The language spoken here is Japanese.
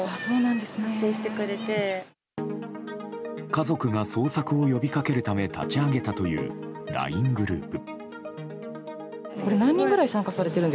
家族が捜索を呼びかけるため立ち上げたというＬＩＮＥグループ。